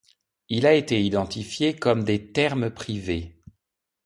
Il a été identifié comme des thermes privés.